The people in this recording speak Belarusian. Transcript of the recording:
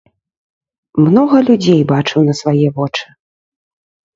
Многа людзей бачыў на свае вочы.